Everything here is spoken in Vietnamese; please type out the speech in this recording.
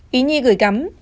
ý nhi gửi gắm